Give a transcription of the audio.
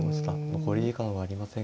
残り時間はありません。